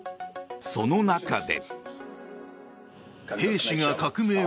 その中で。